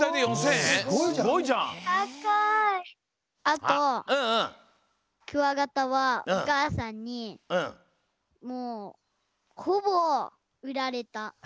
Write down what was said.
あとクワガタはおかあさんにもうほぼうられた。